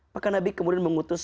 maka nabi kemudian mengundurkan